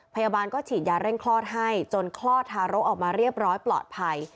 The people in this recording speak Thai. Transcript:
พยาบาลก็ฉีดยาเร่งคลอดให้จนคลอดทารกออกมาเรียบร้อยปลอดภัย